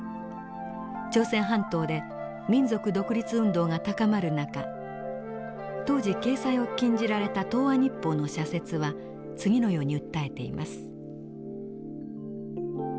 朝鮮半島で民族独立運動が高まる中当時掲載を禁じられた「東亜日報」の社説は次のように訴えています。